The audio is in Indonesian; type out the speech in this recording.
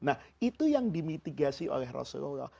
nah itu yang dimitigasi oleh rasulullah